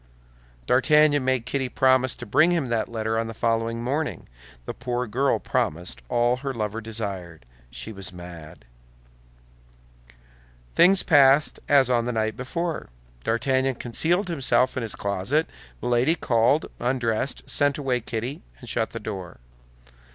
D'Artagnan made Kitty promise to bring him that letter on the following morning. The poor girl promised all her lover desired; she was mad. Things passed as on the night before. D'Artagnan concealed himself in his closet; Milady called, undressed, sent away Kitty, and shut the door.